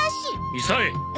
みさえ！